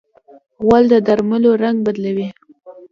غول د درملو رنګ بدلوي.